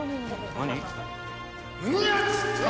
何！？